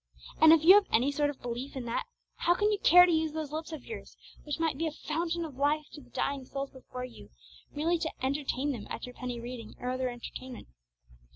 And if you have any sort of belief in that, how can you care to use those lips of yours, which might be a fountain of life to the dying souls before you, merely to 'entertain' them at your penny reading or other entertainment?